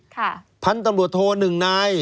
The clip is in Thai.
ค่ะพันธุ์ตำรวจโทน๑นาย